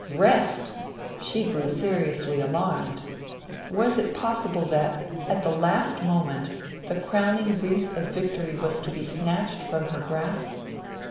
Rest! She grew seriously alarmed. Was it possible that, at the last moment, the crowning wreath of victory was to be snatched from her grasp?